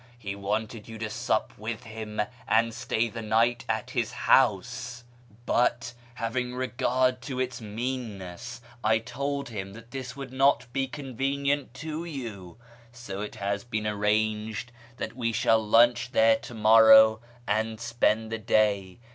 He wanted you to sup with him and stay the night at his house, but, having regard to its meanness, I told him that this would not be convenient to you, so it has been arranged that we shall lunch there to morrow and spend the day.